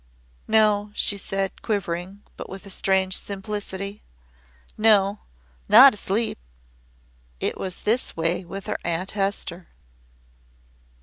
"No," she said, quivering, but with a strange simplicity. "No! not asleep! It was this way with her Aunt Hester."